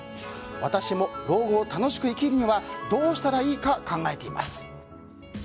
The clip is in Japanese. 私も老後を楽しく生きるにはどうしたらいいか考えています。